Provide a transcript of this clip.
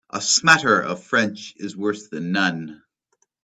A smatter of French is worse than none.